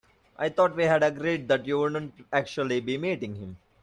I thought we'd agreed that you wouldn't actually be meeting him?